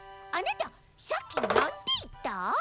あなたさっきなんていった？